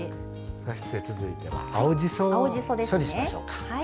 そして続いては青じそを処理しましょうか。